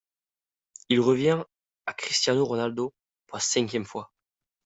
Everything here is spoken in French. Il revient à Cristiano Ronaldo pour la cinquième fois.